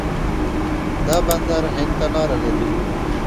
دا بندر هند ته لاره لري.